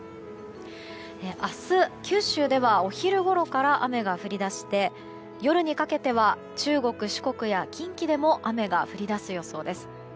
明日、九州ではお昼ごろから雨が降り出して夜にかけては中国、四国や近畿でも雨が降り出す予想です。